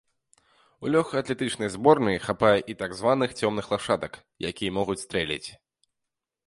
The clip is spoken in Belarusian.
У лёгкаатлетычнай зборнай хапае і так званых цёмных лашадак, якія могуць стрэліць.